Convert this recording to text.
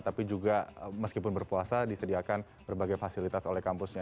tapi juga meskipun berpuasa disediakan berbagai fasilitas oleh kampusnya